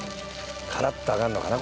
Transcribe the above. カラッと上がるのかな？